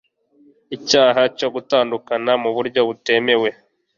icyaha cyo gutandukana mu buryo butemewe